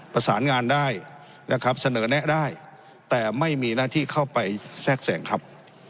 ประสานงานได้นะครับเสนอแนะได้แต่ไม่มีหน้าที่เข้าไปแทรกแสงครับ